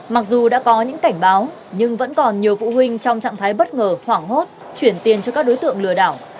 mặc dù đã có những cảnh báo nhưng vẫn còn nhiều phụ huynh trong trạng thái bất ngờ hoảng hốt chuyển tiền cho các đối tượng lừa đảo